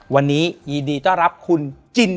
วันนี้ยินดีต้อนรับคุณจิน